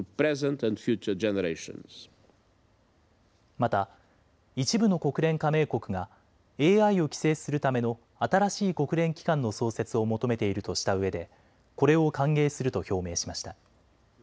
また一部の国連加盟国がＡＩを規制するための新しい国連機関の創設を求めているとしたうえでこれを歓迎すると表明しました。